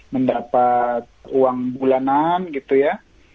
mendapat uang bulanan gitu ya